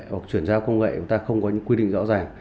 hoặc chuyển giao công nghệ chúng ta không có những quy định rõ ràng